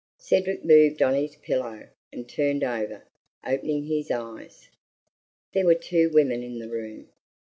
Cedric moved on his pillow, and turned over, opening his eyes. There were two women in the room.